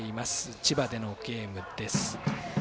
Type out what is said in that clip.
千葉でのゲームです。